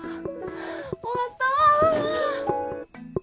終わった！